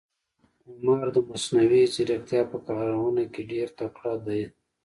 عمر د مصنوي ځیرکتیا په کارونه کې ډېر تکړه ده.